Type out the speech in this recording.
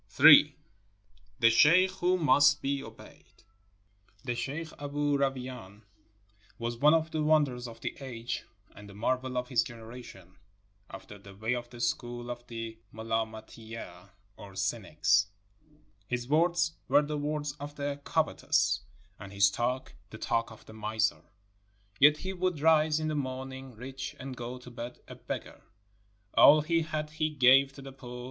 311 NORTHERN AFRICA ni. THE SHEIKH WHO MUST BE OBEYED The sheikh Aboo Rawain was one of the wonders of the age and the marvel of his generation after the way of the school of the Mulamateeyah, or Cynics. His words were the words of the covetous, and his talk the talk of the miser, yet he would rise in the morning rich and go to bed a beggar. All he had he gave to the poor.